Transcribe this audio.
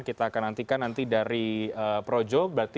kita akan nantikan nanti dari projo